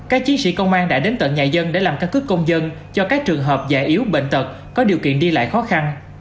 các chiến sĩ công an đã đến tận nhà dân để làm căn cứ công dân cho các trường hợp già yếu bệnh tật có điều kiện đi lại khó khăn